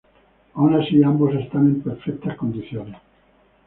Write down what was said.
Aun así, ambos están en perfectas condiciones.